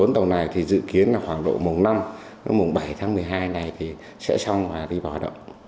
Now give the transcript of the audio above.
bốn tàu này thì dự kiến là khoảng độ mùng năm đến mùng bảy tháng một mươi hai này thì sẽ xong và đi vào hoạt động